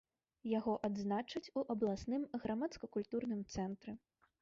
Яго адзначаць у абласным грамадска-культурным цэнтры.